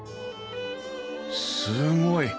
すごい！